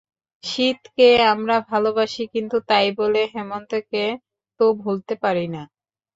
শীতকে আমরা ভালোবাসি কিন্তু তাই বলে হেমন্তকে তো ভুলতে পারি না।